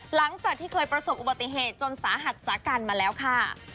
หลังจากที่เคยประสบอุบัติเหตุจนสาหัสสากันมาแล้วค่ะ